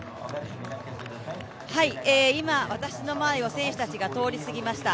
今、私の前を選手たちが通り過ぎました。